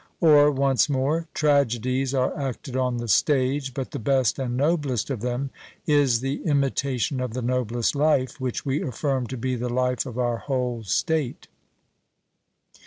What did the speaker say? Or once more: Tragedies are acted on the stage; but the best and noblest of them is the imitation of the noblest life, which we affirm to be the life of our whole state.